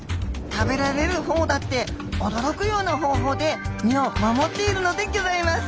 食べられるほうだって驚くような方法で身を守っているのでぎょざいます。